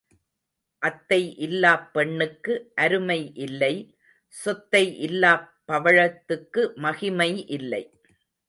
அத்தை இல்லாப் பெண்ணுக்கு அருமை இல்லை சொத்தை இல்லாப் பவழத்துக்கு மகிமை இல்லை.